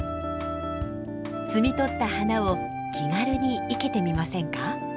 摘み取った花を気軽に生けてみませんか？